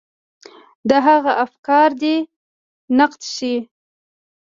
د هغه افکار دې نقد شي.